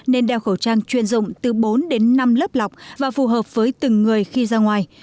nên đeo khẩu trang chuyên dụng từ bốn đến năm lớp lọc và phù hợp với từng người khi ra ngoài